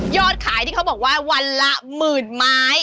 ขายที่เขาบอกว่าวันละหมื่นไม้